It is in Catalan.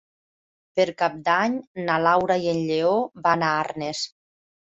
Per Cap d'Any na Laura i en Lleó van a Arnes.